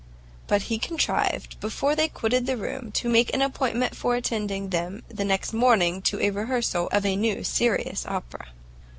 But he contrived, before they quitted the room, to make an appointment for attending them the next morning to a rehearsal of a new serious Opera.